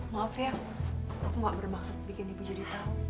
maaf ya aku gak bermaksud bikin ibu jadi tahu